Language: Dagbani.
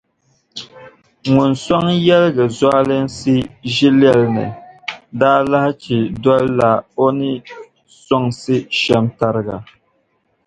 ŋun sɔŋ yɛligi zualinsi ʒilɛli ni daalahichi dolila o ni sɔŋsi shɛm tariga.